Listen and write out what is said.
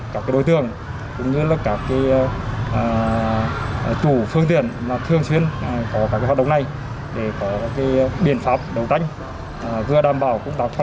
các đối tượng thường thay đổi nhiều khung giờ địa điểm gây khó khăn cho lực lượng phá án